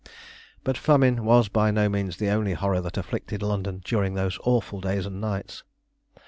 But famine was by no means the only horror that afflicted London during those awful days and nights.